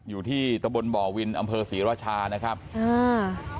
อยู่ที่ตะบนบ่อวินอำเภอศรีราชานะครับอ่า